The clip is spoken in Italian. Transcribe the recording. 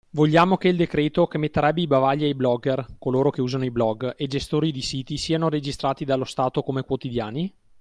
Vogliamo che il decreto, che metterebbe i bavagli ai blogger, - coloro che usano i blog -, e gestori di siti siano registrati dallo Stato come quotidiani?